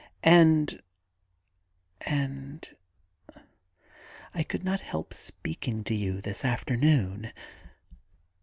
And — and — I could not help speaking to you this after noon.